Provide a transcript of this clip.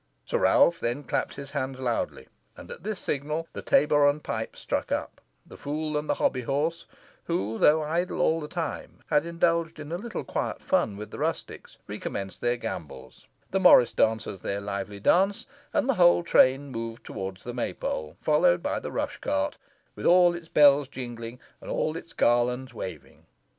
Sir Ralph then clapped his hands loudly, and at this signal the tabor and pipe struck up; the Fool and the Hobby horse, who, though idle all the time, had indulged in a little quiet fun with the rustics, recommenced their gambols; the Morris dancers their lively dance; and the whole train moved towards the May pole, followed by the rush cart, with all its bells jingling, and all its garlands waving.